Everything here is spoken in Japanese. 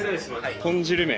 豚汁麺？